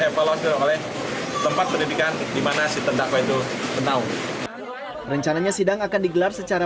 evaluasi oleh tempat pendidikan dimana si terdakwa itu menang rencananya sidang akan digelar secara